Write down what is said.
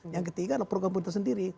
yang ketiga adalah program pemerintah sendiri